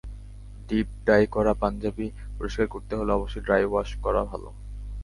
Deep dye করা পাঞ্জাবি পরিষ্কার করতে হলে অবশ্যই ড্রাই ওয়াশ করা ভালো।